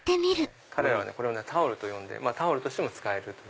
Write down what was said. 彼らはこれをタオルと呼んでタオルとしても使える。